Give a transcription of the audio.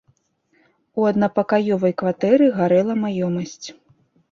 У аднапакаёвай кватэры гарэла маёмасць.